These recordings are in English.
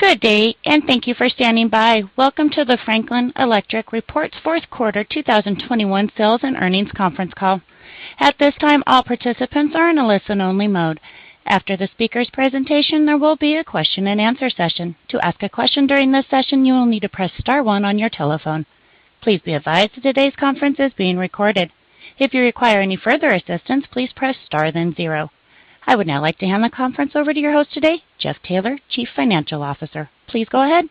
Good day, and thank you for standing by. Welcome to the Franklin Electric Reports Q4 2021 Sales and earnings conference call. At this time, all participants are in a listen-only mode. After the speaker's presentation, there will be a question-and-answer session. To ask a question during this session, you will need to press star one on your telephone. Please be advised that today's conference is being recorded. If you require any further assistance, please press star, then zero. I would now like to hand the conference over to your host today, Jeff Taylor, Chief Financial Officer. Please go ahead.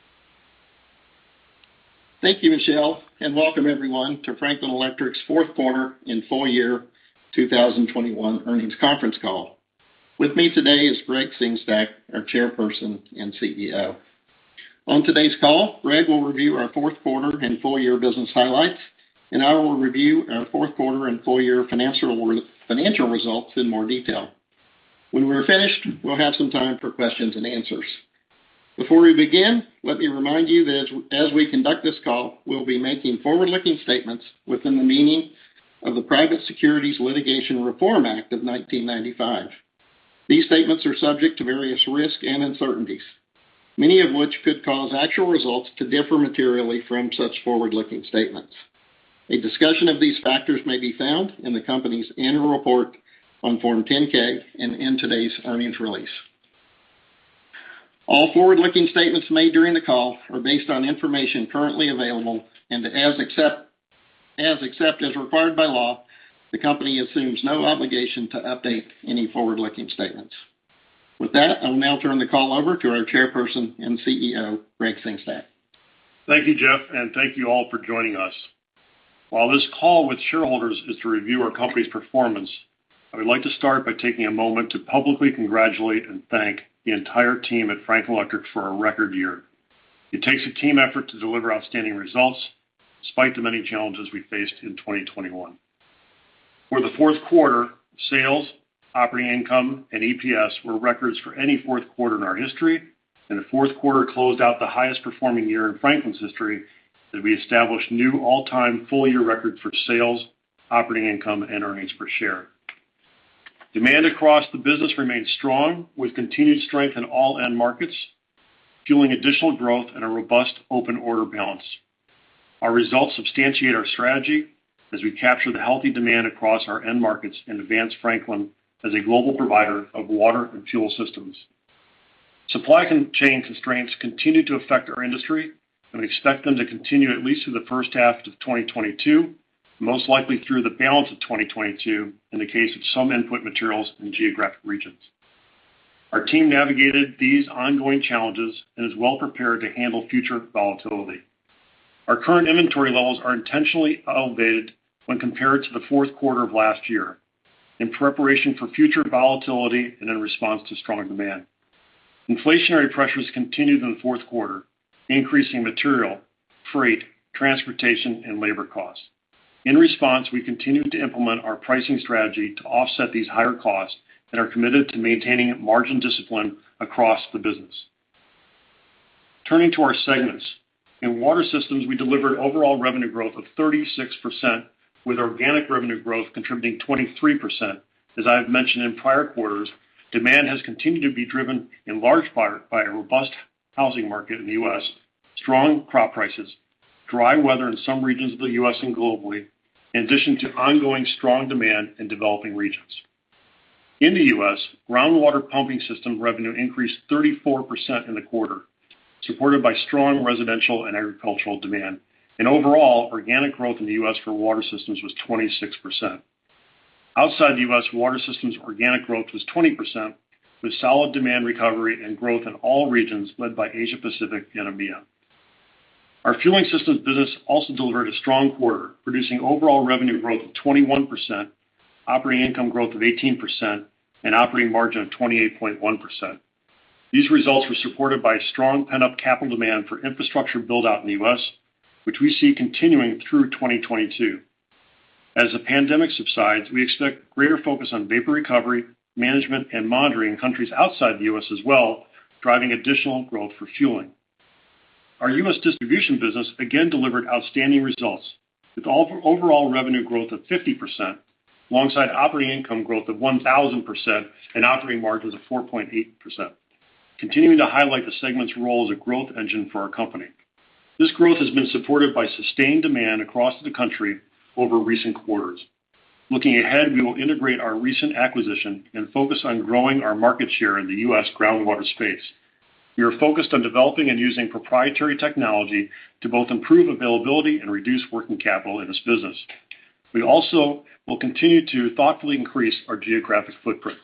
Thank you, Michelle, and welcome everyone to Franklin Electric's Q4 and full year 2021 earnings conference call. With me today is Gregg Sengstack, our Chairperson and CEO. On today's call, Greg will review our Q4 and full year business highlights, and I will review our Q4 and full year financial results in more detail. When we're finished, we'll have some time for questions and answers. Before we begin, let me remind you that as we conduct this call, we'll be making forward-looking statements within the meaning of the Private Securities Litigation Reform Act of 1995. These statements are subject to various risks and uncertainties, many of which could cause actual results to differ materially from such forward-looking statements. A discussion of these factors may be found in the company's annual report on Form 10-K and in today's earnings release. All forward-looking statements made during the call are based on information currently available, and as required by law, the company assumes no obligation to update any forward-looking statements. With that, I'll now turn the call over to our Chairperson and CEO, Gregg Sengstack. Thank you, Jeff, and thank you all for joining us. While this call with shareholders is to review our company's performance, I would like to start by taking a moment to publicly congratulate and thank the entire team at Franklin Electric for a record year. It takes a team effort to deliver outstanding results despite the many challenges we faced in 2021. For the Q4, sales, operating income, and EPS were records for any Q4 in our history. The Q4 closed out the highest performing year in Franklin's history as we established new all-time full-year records for sales, operating income, and earnings per share. Demand across the business remains strong, with continued strength in all end markets, fueling additional growth and a robust open order balance. Our results substantiate our strategy as we capture the healthy demand across our end markets and advance Franklin as a global provider of water and fuel systems. Supply chain constraints continue to affect our industry, and we expect them to continue at least through the H1 of 2022, most likely through the balance of 2022 in the case of some input materials and geographic regions. Our team navigated these ongoing challenges and is well prepared to handle future volatility. Our current inventory levels are intentionally elevated when compared to the Q4 of last year in preparation for future volatility and in response to strong demand. Inflationary pressures continued in the Q4, increasing material, freight, transportation, and labor costs. In response, we continued to implement our pricing strategy to offset these higher costs and are committed to maintaining margin discipline across the business. Turning to our segments. In Water Systems, we delivered overall revenue growth of 36%, with organic revenue growth contributing 23%. As I have mentioned in prior quarters, demand has continued to be driven in large part by a robust housing market in the U.S., strong crop prices, dry weather in some regions of the U.S. and globally, in addition to ongoing strong demand in developing regions. In the U.S., groundwater pumping system revenue increased 34% in the quarter, supported by strong residential and agricultural demand. Overall, organic growth in the U.S. for Water Systems was 26%. Outside the U.S., Water Systems organic growth was 20%, with solid demand recovery and growth in all regions, led by Asia Pacific and EMEA. Our Fueling Systems business also delivered a strong quarter, producing overall revenue growth of 21%, operating income growth of 18%, and operating margin of 28.1%. These results were supported by strong pent-up capital demand for infrastructure build-out in the U.S., which we see continuing through 2022. As the pandemic subsides, we expect greater focus on vapor recovery, management, and monitoring in countries outside the U.S. as well, driving additional growth for fueling. Our U.S. distribution business again delivered outstanding results, with overall revenue growth of 50% alongside operating income growth of 1,000% and operating margins of 4.8%, continuing to highlight the segment's role as a growth engine for our company. This growth has been supported by sustained demand across the country over recent quarters. Looking ahead, we will integrate our recent acquisition and focus on growing our market share in the U.S. groundwater space. We are focused on developing and using proprietary technology to both improve availability and reduce working capital in this business. We also will continue to thoughtfully increase our geographic footprint.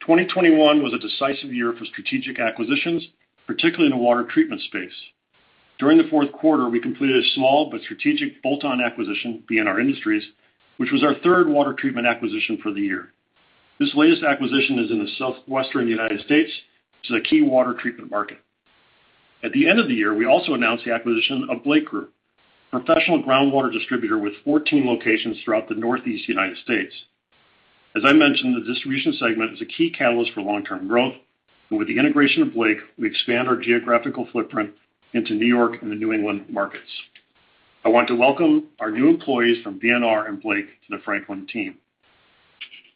2021 was a decisive year for strategic acquisitions, particularly in the water treatment space. During the Q4, we completed a small but strategic bolt-on acquisition, B&R Industries, which was our third water treatment acquisition for the year. This latest acquisition is in the Southwestern United States, which is a key water treatment market. At the end of the year, we also announced the acquisition of Blake Group, a professional groundwater distributor with 14 locations throughout the Northeast United States. As I mentioned, the distribution segment is a key catalyst for long-term growth, and with the integration of Blake, we expand our geographical footprint into New York and the New England markets. I want to welcome our new employees from B&R and Blake to the Franklin team.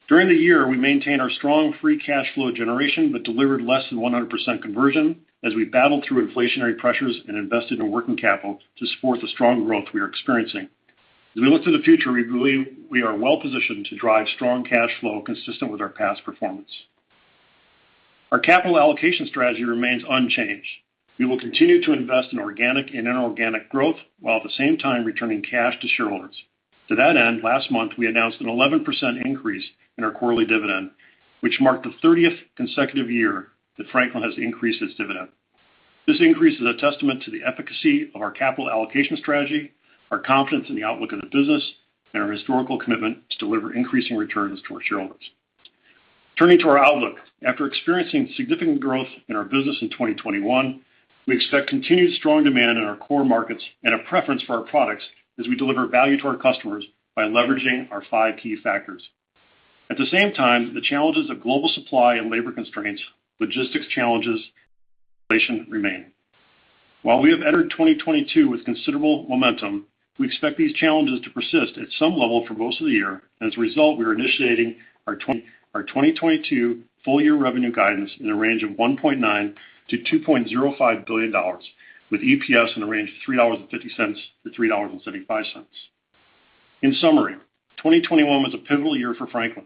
During the year, we maintained our strong free cash flow generation, but delivered less than 100% conversion as we battled through inflationary pressures and invested in working capital to support the strong growth we are experiencing. As we look to the future, we believe we are well-positioned to drive strong cash flow consistent with our past performance. Our capital allocation strategy remains unchanged. We will continue to invest in organic and inorganic growth, while at the same time returning cash to shareholders. To that end, last month, we announced an 11% increase in our quarterly dividend, which marked the 30th consecutive year that Franklin has increased its dividend. This increase is a testament to the efficacy of our capital allocation strategy, our confidence in the outlook of the business, and our historical commitment to deliver increasing returns to our shareholders. Turning to our outlook. After experiencing significant growth in our business in 2021, we expect continued strong demand in our core markets and a preference for our products as we deliver value to our customers by leveraging our five key factors. At the same time, the challenges of global supply and labor constraints, logistics challenges, inflation remain. While we have entered 2022 with considerable momentum, we expect these challenges to persist at some level for most of the year. As a result, we are initiating our 2022 full year revenue guidance in a range of $1.9 billion-$2.05 billion, with EPS in the range of $3.50-$3.75. In summary, 2021 was a pivotal year for Franklin.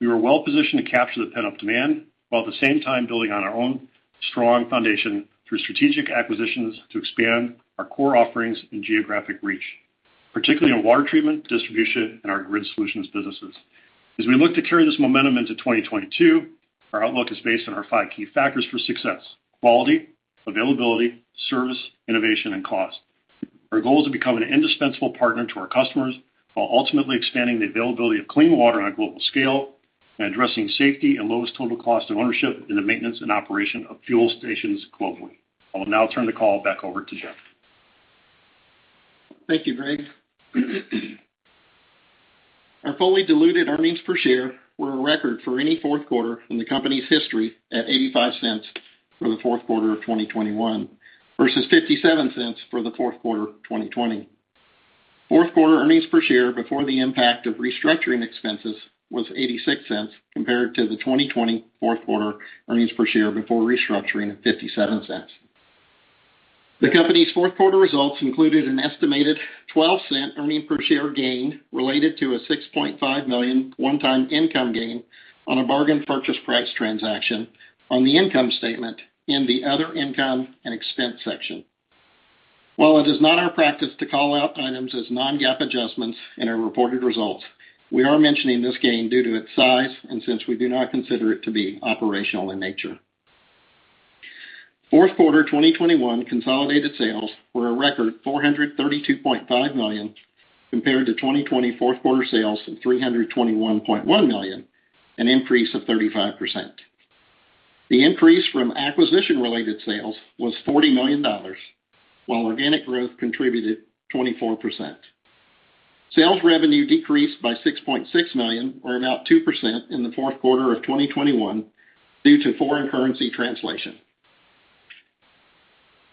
We were well-positioned to capture the pent-up demand, while at the same time building on our own strong foundation through strategic acquisitions to expand our core offerings and geographic reach, particularly in water treatment, distribution, and our Grid Solutions businesses. As we look to carry this momentum into 2022, our outlook is based on our five key factors for success, quality, availability, service, innovation, and cost. Our goal is to become an indispensable partner to our customers while ultimately expanding the availability of clean water on a global scale and addressing safety and lowest total cost of ownership in the maintenance and operation of fuel stations globally. I will now turn the call back over to Jeff. Thank you, Greg. Our fully diluted earnings per share were a record for any Q4 in the company's history at $0.85 for the Q4 of 2021 versus $0.57 for the Q4 of 2020. Q4 earnings per share before the impact of restructuring expenses was $0.86 compared to the 2020 Q4 earnings per share before restructuring of $0.57. The company's Q4 results included an estimated $0.12 earnings per share gain related to a $6.5 million one-time income gain on a bargain purchase price transaction on the income statement in the other income and expense section. While it is not our practice to call out items as non-GAAP adjustments in our reported results, we are mentioning this gain due to its size and since we do not consider it to be operational in nature. Q4 of 2021 consolidated sales were a record $432.5 million compared to 2020 Q4 sales of $321.1 million, an increase of 35%. The increase from acquisition-related sales was $40 million, while organic growth contributed 24%. Sales revenue decreased by $6.6 million or about 2% in the Q4 of 2021 due to foreign currency translation.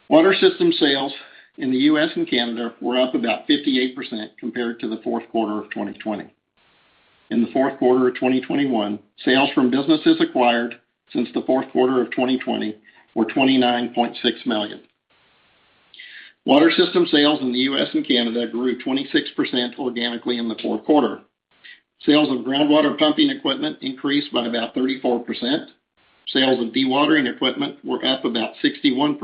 Water Systems sales in the U.S. and Canada were up about 58% compared to the Q4 of 2020. In the Q4 of 2021, sales from businesses acquired since the Q4 of 2020 were $29.6 million. Water Systems sales in the U.S. and Canada grew 26% organically in the Q4. Sales of groundwater pumping equipment increased by about 34%. Sales of dewatering equipment were up about 61%.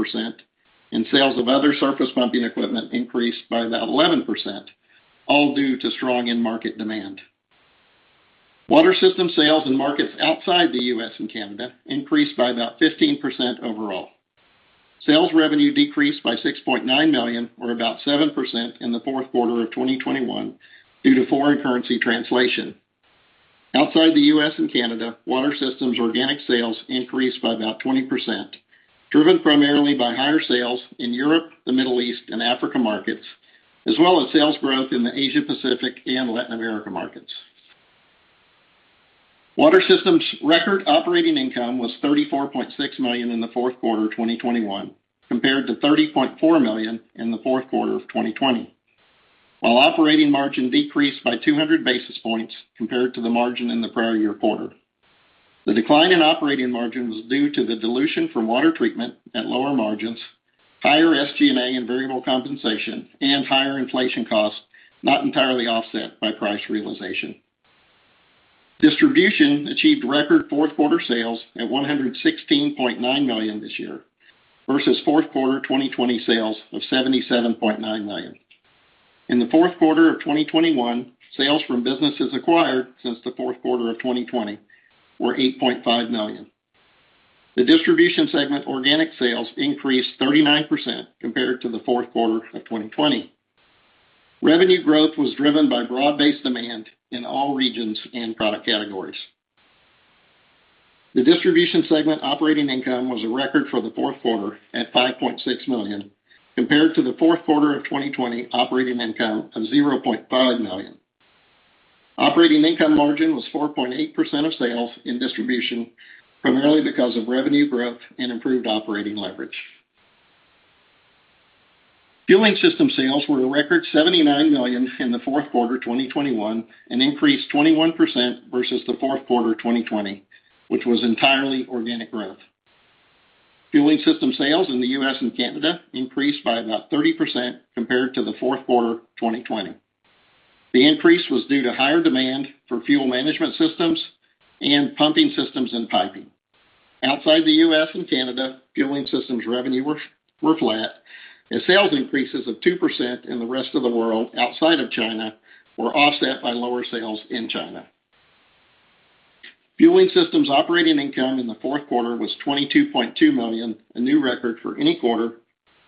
Sales of other surface pumping equipment increased by about 11%, all due to strong end market demand. Water Systems sales in markets outside the U.S. and Canada increased by about 15% overall. Sales revenue decreased by $6.9 million or about 7% in the Q4 of 2021 due to foreign currency translation. Outside the U.S. and Canada, Water Systems organic sales increased by about 20%, driven primarily by higher sales in Europe, the Middle East, and Africa markets, as well as sales growth in the Asia Pacific and Latin America markets. Water Systems record operating income was $34.6 million in the Q4 of 2021, compared to $30.4 million in the Q4 of 2020. While operating margin decreased by 200 basis points compared to the margin in the prior year quarter. The decline in operating margin was due to the dilution from water treatment at lower margins, higher SG&A and variable compensation, and higher inflation costs, not entirely offset by price realization. Distribution achieved record Q4 sales at $116.9 million this year versus Q4 2020 sales of $77.9 million. In the Q4 of 2021, sales from businesses acquired since the Q4 of 2020 were $8.5 million. The Distribution segment organic sales increased 39% compared to the Q4 of 2020. Revenue growth was driven by broad-based demand in all regions and product categories. The distribution segment operating income was a record for the Q4 at $5.6 million, compared to the Q4 of 2020 operating income of $0.5 million. Operating income margin was 4.8% of sales in Distribution, primarily because of revenue growth and improved operating leverage. Fueling Systems sales were a record $79 million in the Q4 2021 and increased 21% versus the Q4 2020, which was entirely organic growth. Fueling Systems sales in the U.S. and Canada increased by about 30% compared to the Q4 2020. The increase was due to higher demand for Fuel Management Systems and pumping systems and piping. Outside the U.S. and Canada, Fueling Systems revenue were flat, and sales increases of 2% in the rest of the world outside of China were offset by lower sales in China. Fueling Systems operating income in the Q4 was $22.2 million, a new record for any quarter,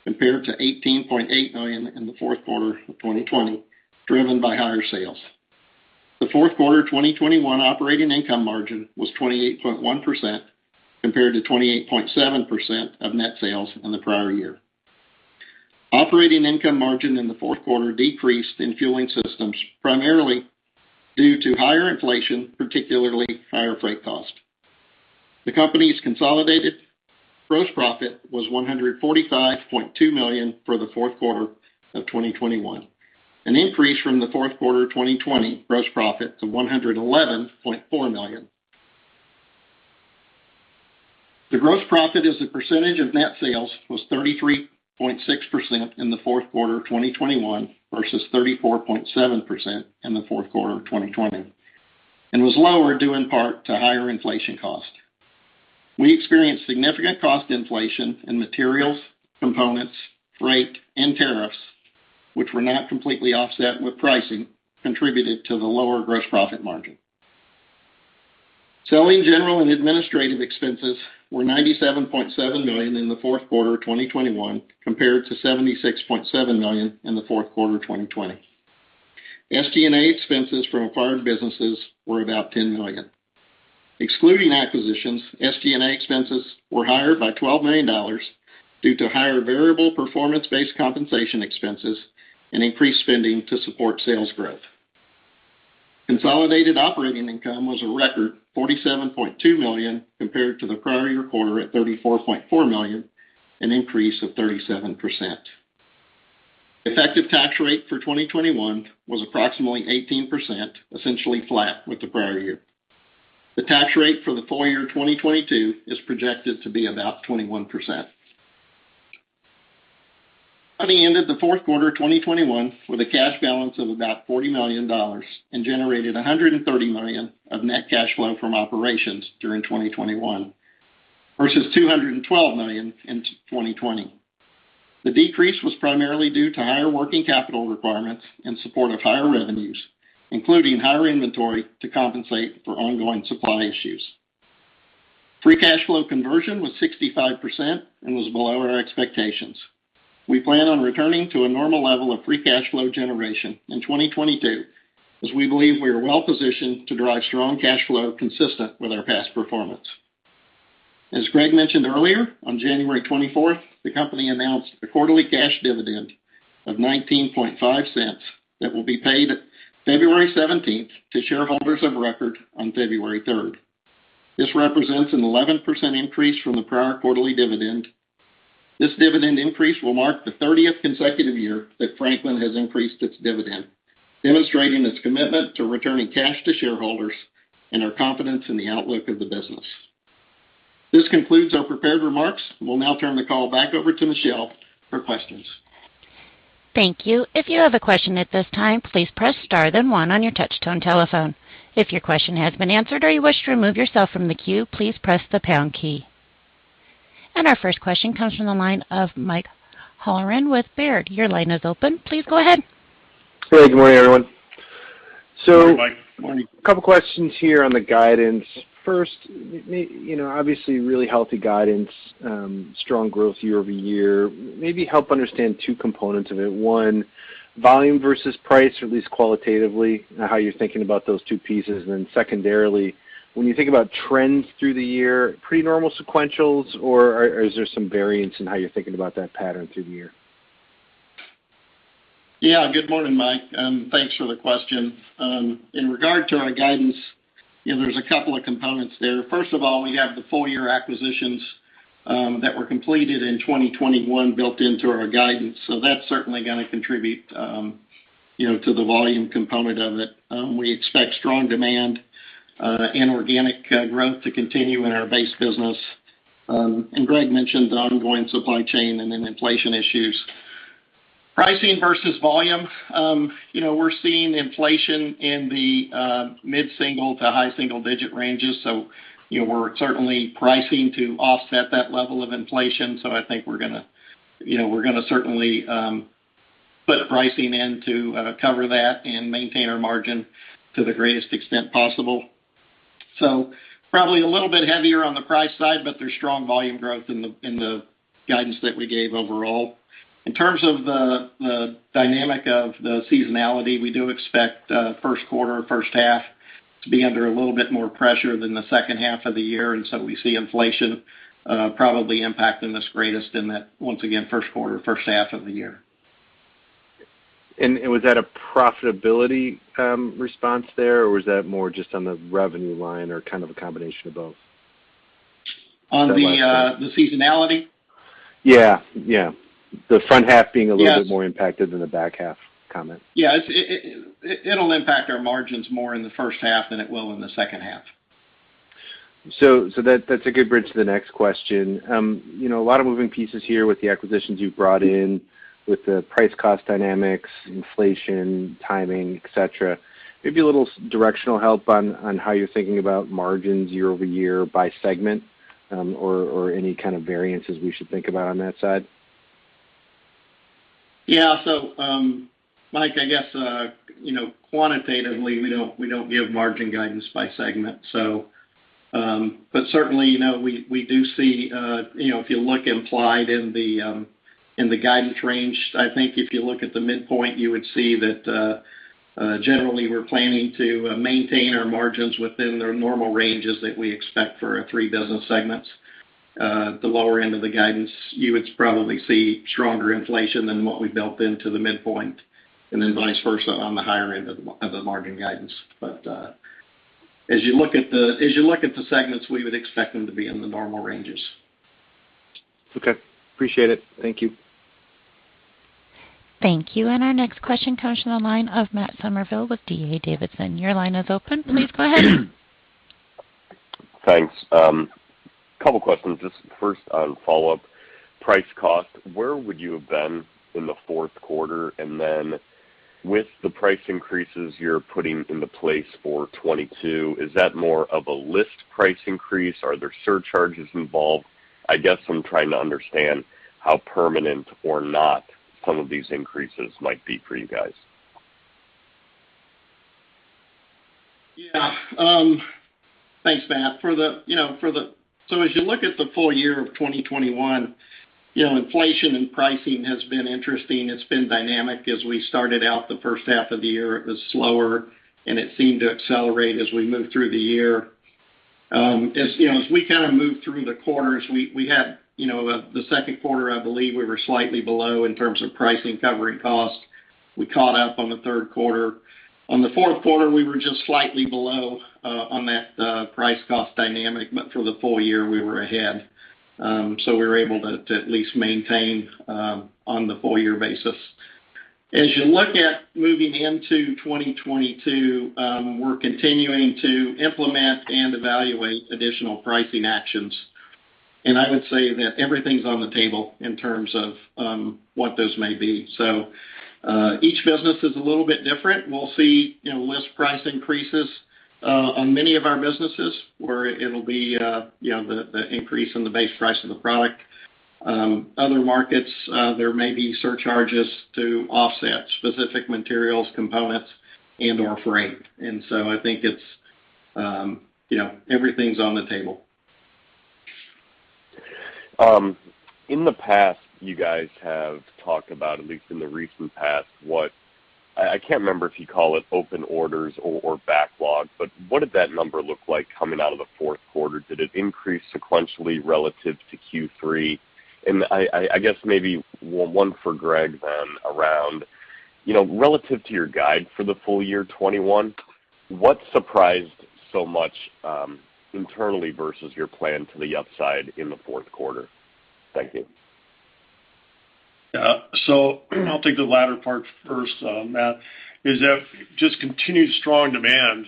compared to $18.8 million in the Q4 of 2020, driven by higher sales. The Q4 2021 operating income margin was 28.1% compared to 28.7% of net sales in the prior year. Operating income margin in the Q4 decreased in Fueling Systems primarily due to higher inflation, particularly higher freight cost. The company's consolidated gross profit was $145.2 million for the Q4 of 2021, an increase from the Q4 2020 gross profit of $111.4 million. The gross profit as a percentage of net sales was 33.6% in the Q4 of 2021 versus 34.7% in the Q4 of 2020, and was lower due in part to higher inflation costs. We experienced significant cost inflation in materials, components, freight, and tariffs, which were not completely offset by pricing, contributing to the lower gross profit margin. Selling, general, and administrative expenses were $97.7 million in the Q4 of 2021 compared to $76.7 million in the Q4 of 2020. SG&A expenses from acquired businesses were about $10 million. Excluding acquisitions, SG&A expenses were higher by $12 million due to higher variable performance-based compensation expenses and increased spending to support sales growth. Consolidated operating income was a record $47.2 million compared to the prior year quarter at $34.4 million, an increase of 37%. Effective tax rate for 2021 was approximately 18%, essentially flat with the prior year. The tax rate for the full year 2022 is projected to be about 21%. Company ended the Q4 2021 with a cash balance of about $40 million and generated $130 million of net cash flow from operations during 2021 versus $212 million in 2020. The decrease was primarily due to higher working capital requirements in support of higher revenues, including higher inventory to compensate for ongoing supply issues. Free cash flow conversion was 65% and was below our expectations. We plan on returning to a normal level of free cash flow generation in 2022 as we believe we are well-positioned to drive strong cash flow consistent with our past performance. As Greg mentioned earlier, on January 24th, the company announced a quarterly cash dividend of $0.195 that will be paid February 17th to shareholders of record on February 3rd. This represents an 11% increase from the prior quarterly dividend. This dividend increase will mark the 30th consecutive year that Franklin has increased its dividend, demonstrating its commitment to returning cash to shareholders and our confidence in the outlook of the business. This concludes our prepared remarks. We'll now turn the call back over to Michelle for questions. Thank you. If you have a question at this time, please press star then one on your touchtone telephone. If your question has been answered or you wish to remove yourself from the queue, please press the pound key. Our first question comes from the line of Mike Halloran with Baird. Your line is open. Please go ahead. Hey, good morning, everyone. Good morning, Mike. A couple questions here on the guidance. First, you know, obviously really healthy guidance, strong growth year over year. Maybe help understand two components of it. One, volume versus price, or at least qualitatively, how you're thinking about those two pieces. Secondarily, when you think about trends through the year, pretty normal sequentials or is there some variance in how you're thinking about that pattern through the year? Yeah. Good morning, Mike, and thanks for the question. In regard to our guidance, you know, there's a couple of components there. First of all, we have the full year acquisitions that were completed in 2021 built into our guidance. That's certainly gonna contribute, you know, to the volume component of it. We expect strong demand and organic growth to continue in our base business. Greg mentioned the ongoing supply chain and then inflation issues. Pricing versus volume, you know, we're seeing inflation in the mid-single- to high-single-digit ranges. You know, we're certainly pricing to offset that level of inflation. I think we're gonna, you know, certainly put pricing in to cover that and maintain our margin to the greatest extent possible. Probably a little bit heavier on the price side, but there's strong volume growth in the guidance that we gave overall. In terms of the dynamic of the seasonality, we do expect Q1 H1 to be under a little bit more pressure than the second half of the year, and we see inflation probably impacting us greatest in that, once again, Q1 H1 of the year. Was that a profitability response there or was that more just on the revenue line or kind of a combination of both? On the seasonality? Yeah, yeah. The front half being a little bit more impacted than the back half comment. Yeah. It'll impact our margins more in the H1 than it will in the H2. That's a good bridge to the next question. You know, a lot of moving pieces here with the acquisitions you've brought in, with the price cost dynamics, inflation, timing, et cetera. Maybe a little directional help on how you're thinking about margins year-over-year by segment, or any kind of variances we should think about on that side. Yeah. Mike, I guess, you know, quantitatively, we don't give margin guidance by segment. Certainly, you know, we do see, you know, if you look implied in the guidance range, I think if you look at the midpoint, you would see that generally, we're planning to maintain our margins within their normal ranges that we expect for our three business segments. The lower end of the guidance, you would probably see stronger inflation than what we built into the midpoint, and then vice versa on the higher end of the margin guidance. As you look at the segments, we would expect them to be in the normal ranges. Okay. Appreciate it. Thank you. Thank you. Our next question comes from the line of Matt Summerville with D.A. Davidson. Your line is open. Please go ahead. Thanks. Couple questions. Just first on follow-up. Price cost, where would you have been in the Q4? With the price increases you're putting into place for 2022, is that more of a list price increase? Are there surcharges involved? I guess I'm trying to understand how permanent or not some of these increases might be for you guys. Thanks, Matt. As you look at the full year of 2021, you know, inflation and pricing has been interesting. It's been dynamic. As we started out the H1 of the year, it was slower, and it seemed to accelerate as we moved through the year. As you know, as we kinda moved through the quarters, we had, you know, the Q2, I believe we were slightly below in terms of pricing covering cost. We caught up on the Q3. On the Q4 we were just slightly below on that price cost dynamic. But for the full year, we were ahead. We were able to at least maintain on the full year basis. As you look at moving into 2022, we're continuing to implement and evaluate additional pricing actions. I would say that everything's on the table in terms of what those may be. Each business is a little bit different. We'll see, you know, list price increases on many of our businesses where it'll be, you know, the increase in the base price of the product. Other markets, there may be surcharges to offset specific materials, components, and/or freight. I think it's, you know, everything's on the table. In the past, you guys have talked about, at least in the recent past, what I can't remember if you call it open orders or backlog, but what did that number look like coming out of the Q4? Did it increase sequentially relative to Q3? I guess maybe one for Gregg then around, you know, relative to your guide for the full year 2021, what surprised so much internally versus your plan to the upside in the Q4? Thank you. Yeah. I'll take the latter part first, Matt Summerville. Is that just continued strong demand?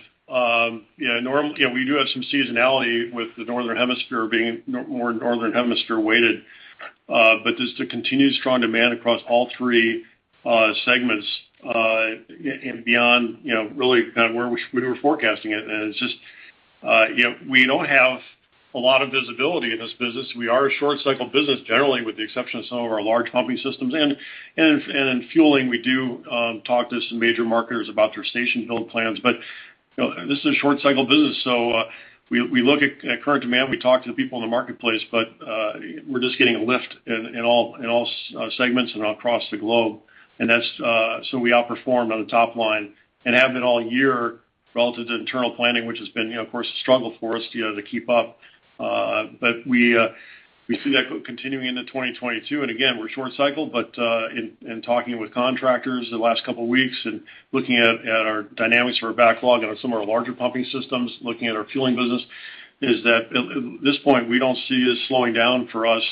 You know, we do have some seasonality with the Northern Hemisphere being more Northern Hemisphere weighted, but just the continued strong demand across all three segments and beyond, you know, really kind of where we were forecasting it. It's just, you know, we don't have a lot of visibility in this business. We are a short-cycle business generally, with the exception of some of our large pumping systems, and in fueling, we do talk to some major marketers about their station build plans. You know, this is a short-cycle business, so we look at current demand, we talk to the people in the marketplace, but we're just getting a lift in all segments and across the globe. That's so we outperformed on the top line and have been all year relative to internal planning, which has been, you know, of course, a struggle for us, you know, to keep up. We see that continuing into 2022. Again, we're short cycle, but in talking with contractors the last couple weeks and looking at our dynamics for our backlog and some of our larger pumping systems, looking at our fueling business, is that at this point, we don't see it slowing down for us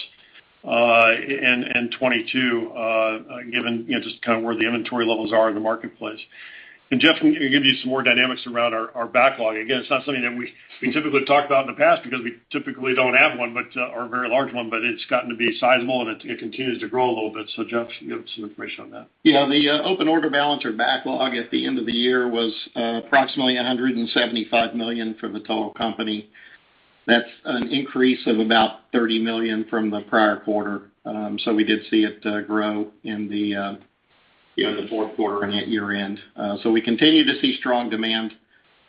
in 2022, given you know just kind of where the inventory levels are in the marketplace. Jeff can give you some more dynamics around our backlog. Again, it's not something that we typically talked about in the past because we typically don't have one, but or a very large one, but it's gotten to be sizable, and it continues to grow a little bit. Jeff, you have some information on that. Yeah. The open order balance or backlog at the end of the year was approximately $175 million for the total company. That's an increase of about $30 million from the prior quarter. We did see it grow in the you know the Q4 and at year-end. We continue to see strong demand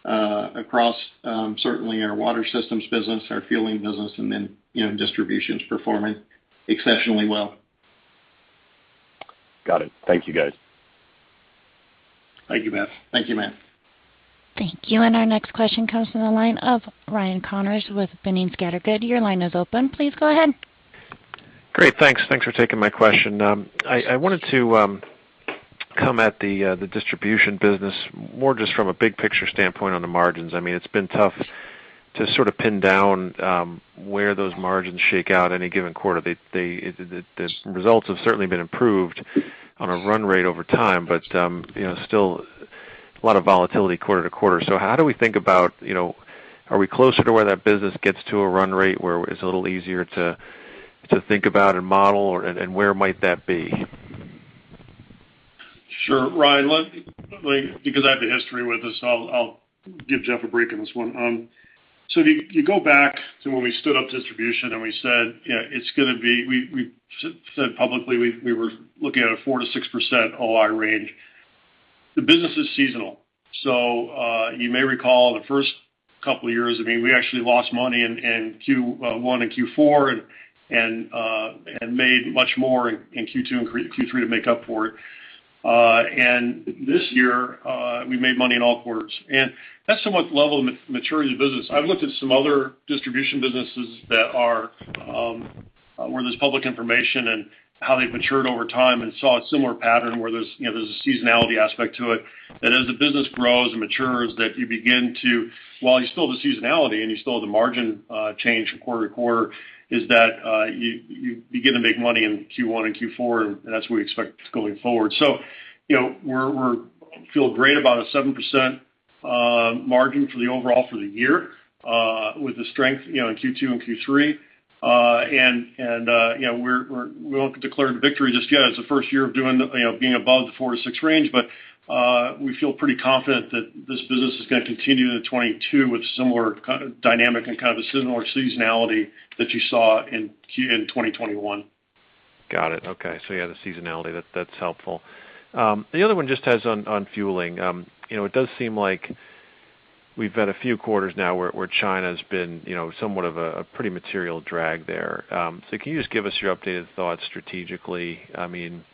across certainly our Water Systems business, our Fueling Systems business, and then, you know, distribution performing exceptionally well. Got it. Thank you, guys. Thank you, Matt. Thank you, Matt. Thank you. Our next question comes from the line of Ryan Connors with B. Riley. Your line is open. Please go ahead. Great. Thanks. Thanks for taking my question. I wanted to come at the distribution business more just from a big picture standpoint on the margins. I mean, it's been tough to sort of pin down where those margins shake out any given quarter. The results have certainly been improved on a run rate over time, but you know, still a lot of volatility quarter to quarter. How do we think about, you know, are we closer to where that business gets to a run rate where it's a little easier to think about and model or and where might that be? Sure. Ryan, let me like, because I have the history with this, I'll give Jeff a break on this one. You go back to when we stood up distribution and we said, you know, it's gonna be. We said publicly we were looking at a 4%-6% OI range. The business is seasonal. You may recall the first couple of years, I mean, we actually lost money in Q1 and Q4 and made much more in Q2 and Q3 to make up for it. This year, we made money in all quarters. That's somewhat level of maturity of the business. I've looked at some other distribution businesses that are where there's public information and how they've matured over time and saw a similar pattern where there's, you know, a seasonality aspect to it. That as the business grows and matures, while you still have the seasonality and you still have the margin change from quarter to quarter, you begin to make money in Q1 and Q4, and that's what we expect going forward. You know, we feel great about a 7% margin for the overall for the year with the strength, you know, in Q2 and Q3. You know, we won't declare the victory just yet. It's the first year of doing, you know, being above the four to six range, but we feel pretty confident that this business is gonna continue to 2022 with similar dynamic and kind of a similar seasonality that you saw in 2021. Got it. Okay. Yeah, the seasonality. That's helpful. The other one just has on fueling. You know, it does seem like we've had a few quarters now where China's been, you know, somewhat of a pretty material drag there. Can you just give us your updated thoughts strategically? I mean,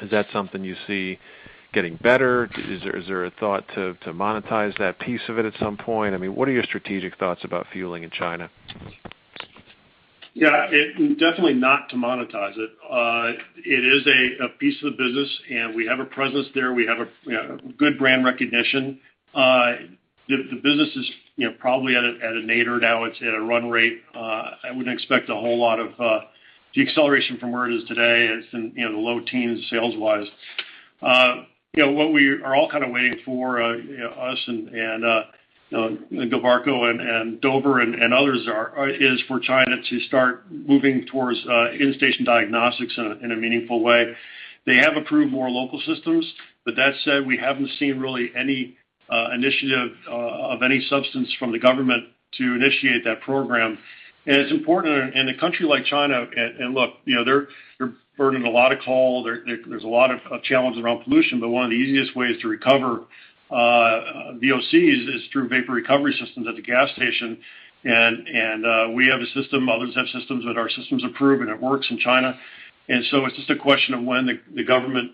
is that something you see getting better? Is there a thought to monetize that piece of it at some point? I mean, what are your strategic thoughts about fueling in China? Yeah, definitely not to monetize it. It is a piece of business, and we have a presence there. We have, you know, good brand recognition. The business is, you know, probably at a nadir now. It's at a run rate. I wouldn't expect a whole lot of deceleration from where it is today. It's in, you know, the low teens sales-wise. You know, what we are all kind of waiting for, you know, us and Gilbarco and Dover and others are is for China to start moving towards In-Station Diagnostics in a meaningful way. They have approved more local systems, but that said, we haven't seen really any initiative of any substance from the government to initiate that program. It's important in a country like China. Look, you know, they're burning a lot of coal. There's a lot of challenge around pollution, but one of the easiest ways to recover VOCs is through vapor recovery systems at the gas station. We have a system, others have systems that are approved, and it works in China. It's just a question of when the government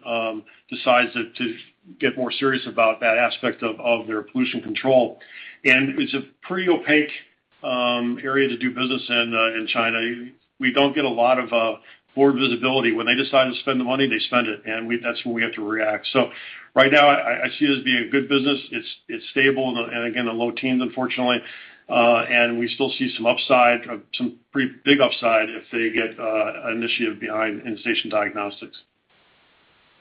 decides to get more serious about that aspect of their pollution control. It's a pretty opaque area to do business in China. We don't get a lot of forward visibility. When they decide to spend the money, they spend it, and we, that's when we have to react. Right now, I see it as being a good business. It's stable and again, the low teens, unfortunately. We still see some upside, some pretty big upside if they get initiative behind In-Station Diagnostics.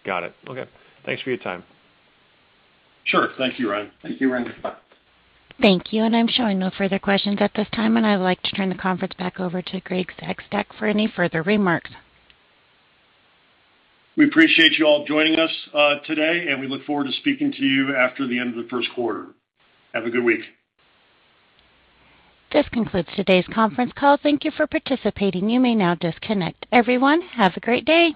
Got it. Okay. Thanks for your time. Sure. Thank you, Ryan. Thank you, Ryan. Bye. Thank you. I'm showing no further questions at this time, and I would like to turn the conference back over to Gregg Sengstack for any further remarks. We appreciate you all joining us today, and we look forward to speaking to you after the end of the Q1. Have a good week. This concludes today's conference call. Thank you for participating. You may now disconnect. Everyone, have a great day.